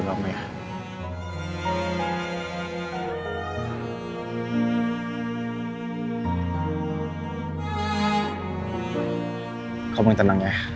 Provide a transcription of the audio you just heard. kamu harus tenang ya